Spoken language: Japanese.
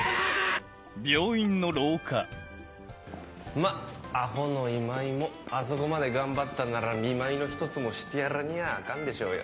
まっアホの今井もあそこまで頑張ったなら見舞いのひとつもしてやらにゃアカンでしょうよ。